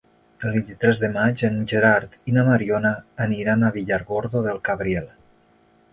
El vint-i-tres de maig en Gerard i na Mariona aniran a Villargordo del Cabriel.